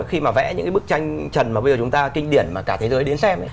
khi mà vẽ những cái bức tranh trần mà bây giờ chúng ta kinh điển mà cả thế giới đến xem ấy